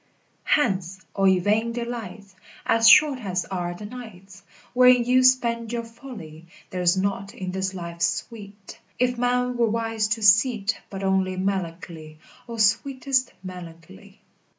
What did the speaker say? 3. Hence, all ye vain delights, As short as are the nights Wherein you spend your folly! There's naught in this life sweet, If man were wise to see't But only melancholy, O, sweetest melancholy!